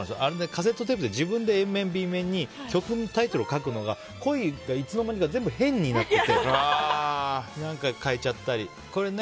カセットテープって自分でＡ面、Ｂ面に曲のタイトルを書くのが「恋」がいつの間にか「変」になってて書いちゃったり。